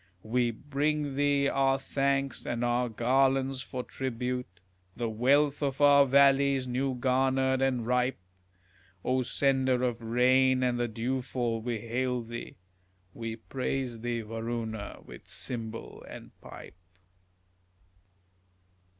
We bring thee our thanks and our garlands for tribute, The wealth of our valleys, new garnered and ripe; O sender of rain and the dewfall, we hail thee, We praise thee, Varuna, with cymbal and pipe.